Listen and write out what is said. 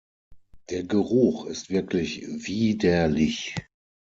Der Geruch ist wirklich widerlich!